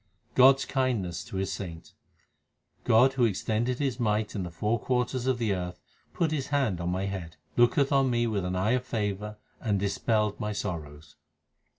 God s kindness to His saint : God who extended His might in the four quarters of the earth put His hand on my head, Looked on me with an eye of favour, and dispelled my sorrows.